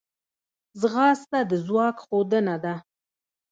ځغاسته د ځواک ښودنه ده